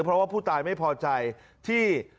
เพราะว่าผู้ตายไม่พอใจที่